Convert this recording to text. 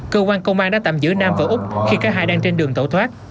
cơ quan công an đã tạm giữ nam và úc khi cả hai đang trên đường tẩu thoát